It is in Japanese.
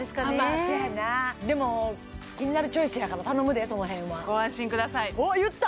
まあそやなでも「キニナルチョイス」やから頼むでその辺はご安心くださいおっ言った！